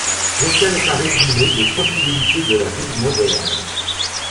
L'hôtel est un résumé des possibilités de la ville moderne.